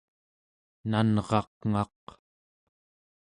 nanraq'ngaq